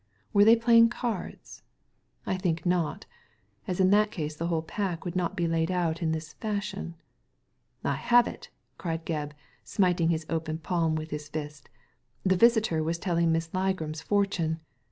Were they playing cards ? I think not, as in that case the whole pack would not be laid out in this fashion. I have it !" cried Gebb, smiting his open palm with his fist, "the visitor was telling Miss Ligram's fortune.